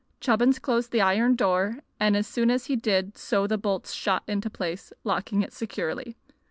Chubbins closed the iron door, and as soon as he did so the bolts shot into place, locking it securely.